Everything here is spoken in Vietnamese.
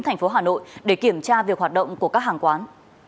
thành phố hà nội để kiểm tra việc hoạt động của các hàng quán